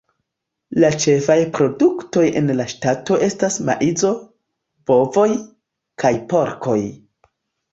La ĉefaj produktoj en la ŝtato estas maizo, bovoj, kaj porkoj.